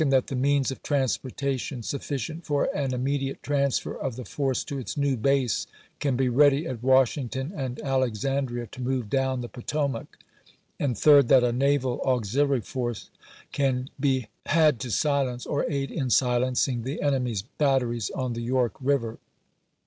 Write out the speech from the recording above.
That the means of transportation, sufficient for an immediate transfer of the force to its new base, can be ready at Washington and Alexandria to move down the Potomac; and Third. That a naval auxiliary force can he had to silence, or aid in silencing, the enemy's batteries on the York River.